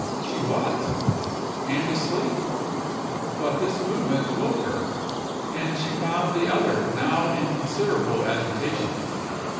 She was, and asleep; but this movement awoke her, and she found the other now in considerable agitation.